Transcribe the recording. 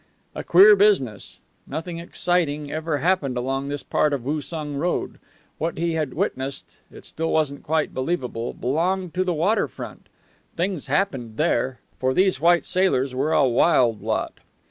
A queer business. Nothing exciting ever happened along this part of Woosung Road. What he had witnessed it still wasn't quite believable belonged to the water front. Things happened there, for these white sailors were a wild lot.